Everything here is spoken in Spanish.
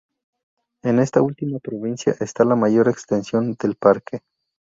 En esta última provincia está la mayor extensión del parque.